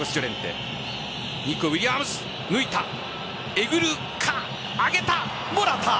えぐるか上げた、モラタ。